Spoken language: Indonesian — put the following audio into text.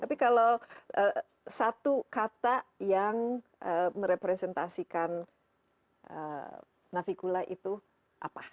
tapi kalau satu kata yang merepresentasikan navicula itu apa